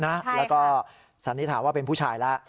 แล้วก็สันนิษฐานว่าเป็นผู้ชายแล้ว